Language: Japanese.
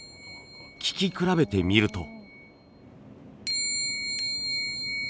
聞き比べてみると。